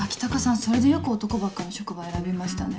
それでよく男ばっかの職場選びましたね。